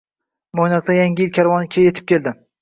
Mo‘ynoqda yangi yil karvoni yetib keldi